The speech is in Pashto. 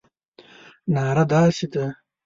ناره داسې ده.